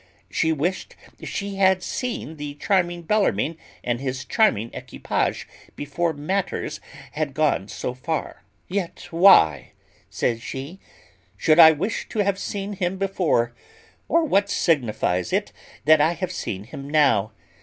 She wished she had seen the charming Bellarmine and his charming equipage before matters had gone so far. "Yet why," says she, "should I wish to have seen him before; or what signifies it that I have seen him now?